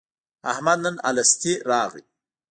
احمد نن الستی راغی.